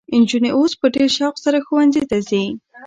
نجونې اوس په ډېر شوق سره ښوونځي ته ځي.